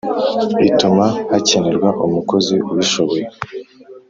ituma hakenerwa umukozi ubishoboye